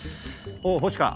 おう星か？